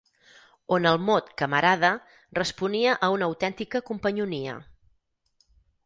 On el mot «camarada» responia a una autèntica companyonia